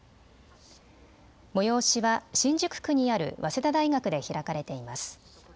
催しは新宿区にある早稲田大学で開かれています。